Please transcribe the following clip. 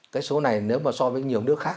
cái số này nếu mà so với nhiều nước khác